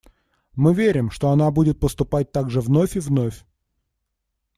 Мы верим, что она будет поступать так же вновь и вновь.